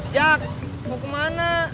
jak mau kemana